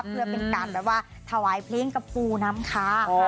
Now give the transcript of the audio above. เพื่อเป็นการทวายเพลงกับปูน้ำค่ะ